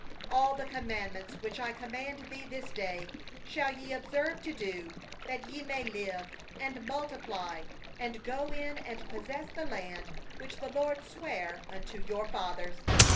All the commandment which I command thee this day shall ye observe to do, that ye may live, and multiply, and go in and possess the land which the LORD swore unto your fathers.